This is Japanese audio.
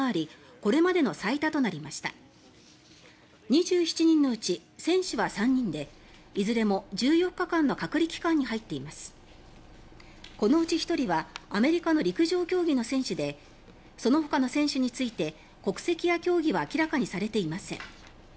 このうち１人はアメリカの陸上競技の選手でそのほかの選手について国籍や競技は明らかにされていません。